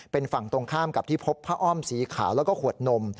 เป็นฝั่งตรงข้ามกับที่พบผ้าอ้อมสีขาวแล้วก็ขวดนม